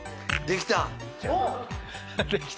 できた？